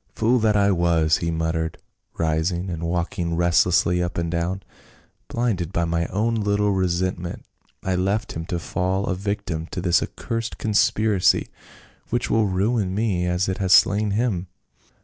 " Fool that I was," he muttered, rising and walking restlessly up and down, " blinded by my own little resentment I left him to fall a victim to this accursed conspiracy, which will ruin me as it has slain him.